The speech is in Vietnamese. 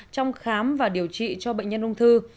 trong khám và điều trị cho bệnh nhân ung thư